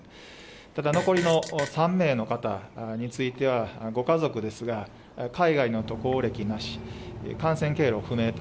ただ、残りの３名の方については、ご家族ですが、海外の渡航歴なし、感染経路不明と。